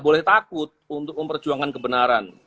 boleh takut untuk memperjuangkan kebenaran